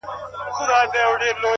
گراني چي ستا سره خبـري كوم،